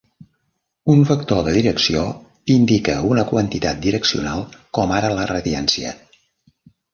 Un vector de direcció indica una quantitat direccional, com ara la radiància.